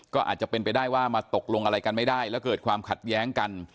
ก็อาจจะเป็นไปได้ว่ามาตกลงอะไรกันไม่ได้แล้วเกิดความขัดแย้งกัน